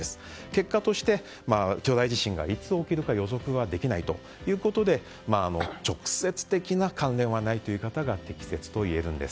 結果として巨大地震がいつ起きるか予測できないということで直接的な関連はないという言い方が適切といえるんです。